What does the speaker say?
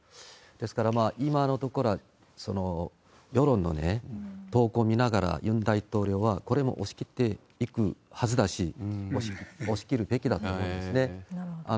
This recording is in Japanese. ですから、今のところは世論の動向を見ながら、ユン大統領はこれも押し切っていくはずだし、押し切るべきだと思いますね。